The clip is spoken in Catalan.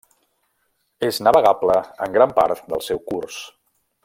És navegable en gran part del seu curs.